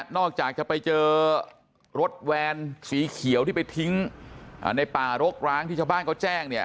นอกจากจะไปเจอรถแวนสีเขียวที่ไปทิ้งในป่ารกร้างที่ชาวบ้านเขาแจ้งเนี่ย